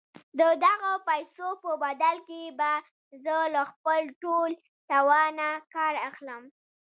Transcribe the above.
د دغو پيسو په بدل کې به زه له خپل ټول توانه کار اخلم.